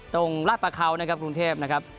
ลาดประเขานะครับกรุงเทพนะครับ